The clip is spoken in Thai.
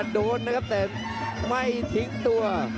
โดนนะครับแต่ไม่ทิ้งตัว